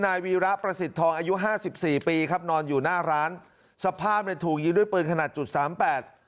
อายุ๕๔ปีครับนอนอยู่หน้าร้านสภาพในถูกยิงด้วยปืนขนาด๐๓๘